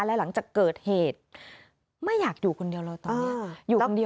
และหลังจากเกิดเหตุไม่อยากอยู่คนเดียวเราตอนนี้